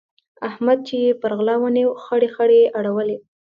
احمد چې يې پر غلا ونيو؛ خړې خړې يې اړولې.